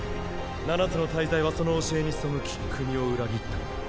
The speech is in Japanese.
七つの大罪はその教えに背き国を裏切った。